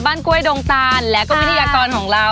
กล้วยดงตานและก็วิทยากรของเรา